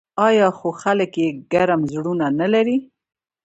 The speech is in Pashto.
آیا خو خلک یې ګرم زړونه نلري؟